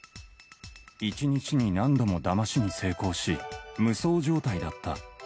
１日に何度もだましに成功し、無双状態だった。